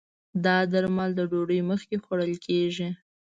دا درمل د ډوډی مخکې خوړل کېږي